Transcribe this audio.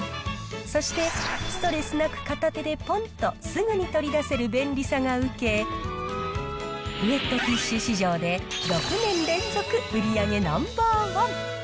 そして、ストレスなく片手でぽんとすぐに取り出せる便利さが受け、ウエットティッシュ市場で、６年連続売り上げナンバー１。